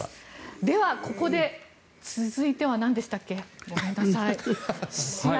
では、ここで続いてはなんでしたっけ、ごめんなさい。